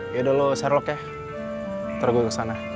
yaudah lo sherlock ya taro gue kesana